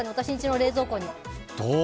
冷蔵庫に。